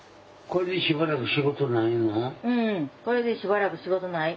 これでしばらく仕事ない。